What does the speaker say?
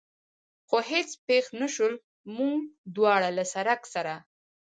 خو هېڅ پېښ نه شول، موږ دواړه له سړک سره.